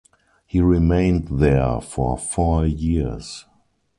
He remained there for four years.